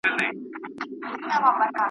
د پېریانانو ښار .